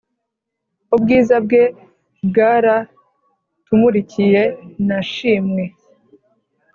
Ubwiza bwe bwaratumurikiye nashimwe